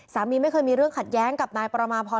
สามีไม่เคยมีเรื่องขัดแย้งกับนายประมาพร